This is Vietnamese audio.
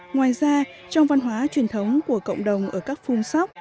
ngoài ra trong văn hóa truyền thống của cộng đồng ở các phung sóc